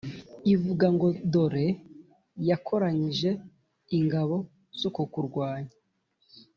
ivuga ngo «Dore yakoranyije ingabo zo kukurwanya!»